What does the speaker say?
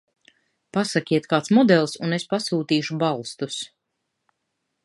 Pasakiet kāds modelis un es pasūtīšu balstus.